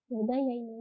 beda ya ini aja kan